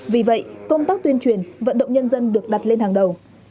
vì vậy công tác tuyên truyền vận động nhân dân được đặt lên hàng đầu